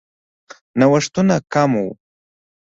نوښتونه کم وو.